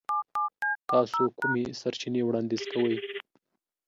تاسو کومې سرچینې وړاندیز کوئ؟